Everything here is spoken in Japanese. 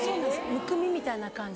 むくみみたいな感じで。